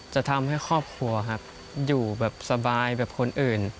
จะทำให้ครอบครัวอยู่สบายแบบคนอื่น